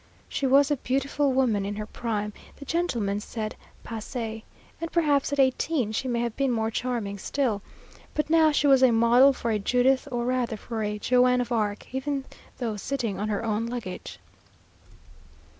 She was a beautiful woman in her prime, the gentlemen said passée, and perhaps at eighteen she may have been more charming still; but now she was a model for a Judith or rather for a Joan of Arc, even though sitting on her own luggage.